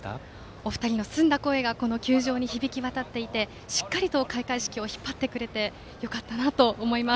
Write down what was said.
お二人の澄んだ声が甲子園に響いていてしっかりと開会式を引っ張ってくれてよかったと思います。